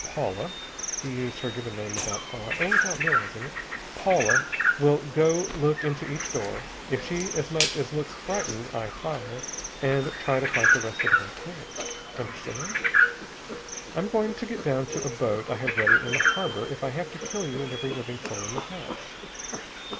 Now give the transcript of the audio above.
Paula" he used her given came without thought, or without realizing it "Paula will go and look into each door. If she as much as looks frightened, I fire, and try to fight the rest of the way clear. Understand? I'm going to get down to a boat I have ready in the harbor if I have to kill you and every living soul in the house!"